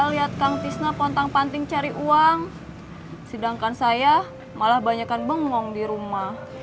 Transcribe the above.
lihat kang tisna pontang panting cari uang sedangkan saya malah banyak yang bengong di rumah